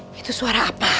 hah itu suara apaan sih